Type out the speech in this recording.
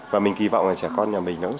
và mình kỳ vọng là trẻ con nhà mình nó cũng sẽ